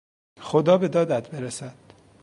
خدا به دادت برسد!